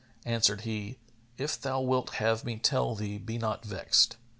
Answered he, "If thou wilt have me tell thee be not vexed."